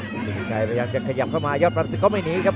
สินวิชัยพยายามจะขยับเข้ามายอดรักศึกก็ไม่หนีครับ